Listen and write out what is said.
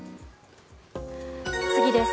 次です。